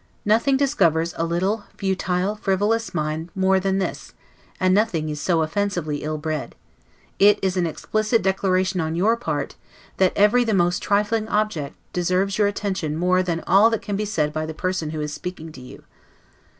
Nothing discovers a little, futile, frivolous mind more than this, and nothing is so offensively ill bred; it is an explicit declaration on your part, that every the most trifling object, deserves your attention more than all that can be said by the person who is speaking to you.